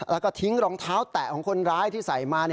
แล้วก็ทิ้งรองเท้าแตะของคนร้ายที่ใส่มา